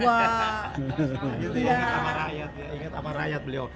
itu ingat sama rakyat ingat sama rakyat beliau